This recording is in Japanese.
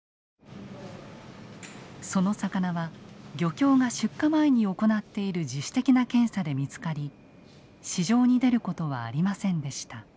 その魚は漁協が出荷前に行っている自主的な検査で見つかり市場に出ることはありませんでした。